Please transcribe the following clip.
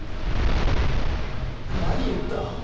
何を打った？